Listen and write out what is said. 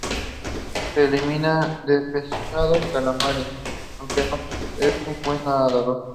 Se alimenta de pescado y calamares, aunque no es un buen nadador.